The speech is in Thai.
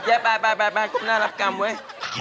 เจ๊ไปน่ารักกล่ำเว้ย